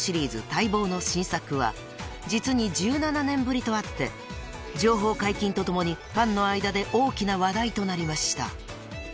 待望の新作は実に１７年ぶりとあって情報解禁と共にファンの間で大きな話題となりました］